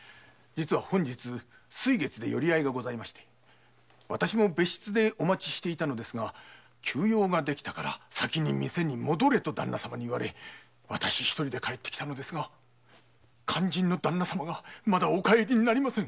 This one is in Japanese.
本日“水月”で寄り合いがありわたしも別室でお待ちしていたのですが急用ができたから先に戻れと言われ一人で帰ってきたのですが肝心の旦那様がお帰りになりません。